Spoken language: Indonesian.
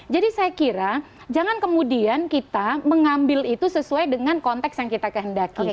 jadi saya kira jangan kemudian kita mengambil itu sesuai dengan konteks yang kita kehendaki